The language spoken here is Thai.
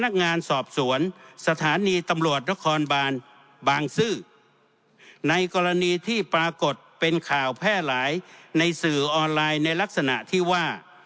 นักงานสอบสวนสถานีตำรวจนครบานบางซื่อในกรณีที่ปรากฏเป็นข่าวแพร่หลายในสื่อออนไลน์ในลักษณะที่ว่า